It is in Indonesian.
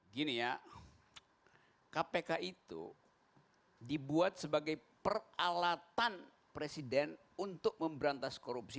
gini ya kpk itu dibuat sebagai peralatan presiden untuk memberantas korupsi